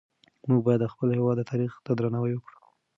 موږ باید د خپل هېواد تاریخ ته درناوی وکړو.